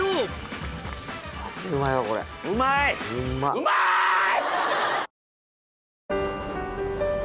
うまい！